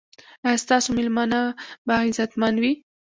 ایا ستاسو میلمانه به عزتمن وي؟